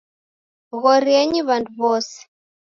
Ghorienyi w'andu w;ose